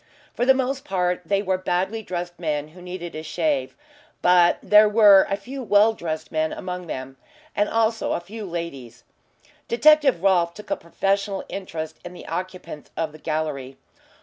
For the most part they were badly dressed men who needed a shave, but there were a few well dressed men among them, and also a few ladies. Detective Rolfe took a professional interest in the occupants of the gallery.